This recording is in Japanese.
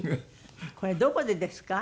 これどこでですか？